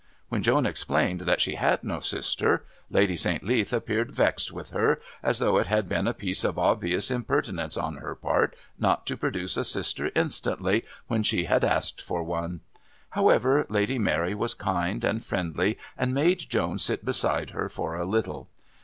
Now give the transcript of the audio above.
When Joan explained that she had no sister Lady St. Leath appeared vexed with her, as though it had been a piece of obvious impertinence on her part not to produce a sister instantly when she had asked for one. However, Lady Mary was kind and friendly and made Joan sit beside her for a little.